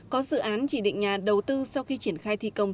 có dự án chỉ định nhà đầu tư sau khi triển khai thi công